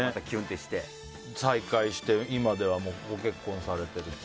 再会して今ではご結婚されてるって。